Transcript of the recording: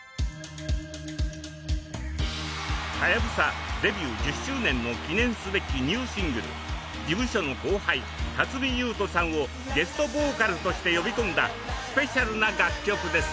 はやぶさデビュー１０周年の記念すべきニューシングル事務所の後輩辰巳ゆうとさんをゲストボーカルとして呼び込んだスペシャルな楽曲です。